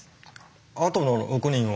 あとの６人は。